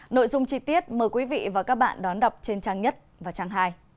nội dung chi tiết mời quý vị và các bạn đón đọc trên trang nhất và trang hai